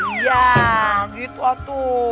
iya gitu hantu